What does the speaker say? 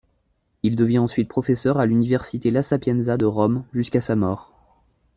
Il devient ensuite professeur à l'Université La Sapienza de Rome, jusqu'à sa mort.